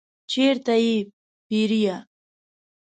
چیرته یی پیرئ؟